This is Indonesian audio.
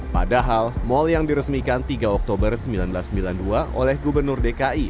padahal mal yang diresmikan tiga oktober seribu sembilan ratus sembilan puluh dua oleh gubernur dki